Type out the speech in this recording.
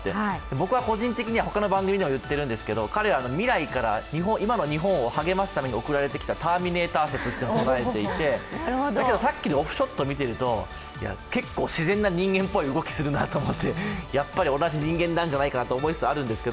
僕は個人的に彼は未来から今の日本を励ますために送られてきたターミネーター説が唱えられていて、さっきのオフショットを見ると結構、自然な人間っぽい動きするなと思ってやっぱり同じ人間なんじゃないかなと思いつつありますが。